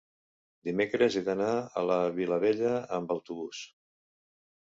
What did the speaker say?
Dimecres he d'anar a la Vilavella amb autobús.